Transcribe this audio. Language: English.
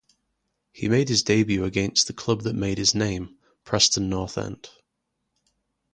He made his debut against the club that made his name, Preston North End.